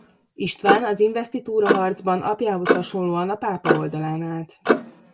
István az invesztitúraharcban apjához hasonlóan a pápa oldalán állt.